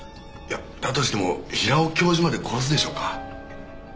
だとしても平尾教授まで殺すでしょうか。